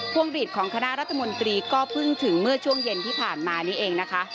วงหลีดของคณะรัฐมนตรีก็เพิ่งถึงเมื่อช่วงเย็นที่ผ่านมานี้เองนะคะ